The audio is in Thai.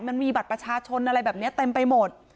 มันมีบัตรประชาชนอะไรแบบนี้เต็มไปหมด